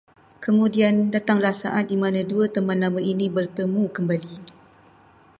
Kemudian datanglah saat dimana dua teman lama ini bertemu kembali